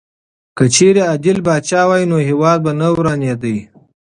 که چېرې عادل پاچا وای نو هېواد به نه ورانېدی.